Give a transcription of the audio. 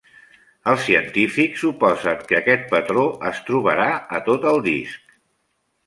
Els científics suposen que aquest patró es trobarà a tot el disc.